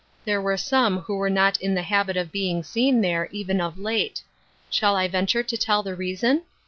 There were some who were not in the habit of being seen there, even of late. Shall I venture to tell the reason